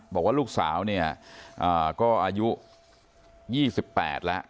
บอกว่าลูกสาวเนี้ยอ่าก็อายุยี่สิบแปดแล้ว